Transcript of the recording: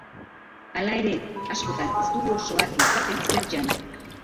Hala ere, askotan ez dugu oso argi izaten zer jan.